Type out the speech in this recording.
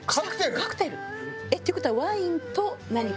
カクテル？っていう事はワインと何か？